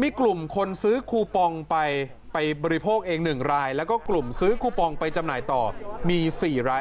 มีกลุ่มคนซื้อคูปองไปไปบริโภคเอง๑รายแล้วก็กลุ่มซื้อคูปองไปจำหน่ายต่อมี๔ราย